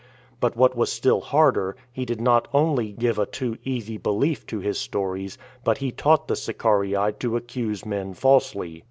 But what was still harder, he did not only give a too easy belief to his stories, but he taught the Sicarii to accuse men falsely.